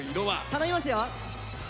頼みますよ！